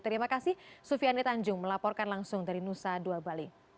terima kasih sufiani tanjung melaporkan langsung dari nusa dua bali